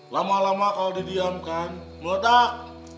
lama lama kalo didiamkan meletak